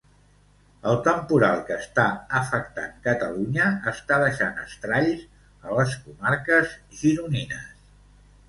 El temporal que està afectant Catalunya està deixant estralls a les comarques gironines.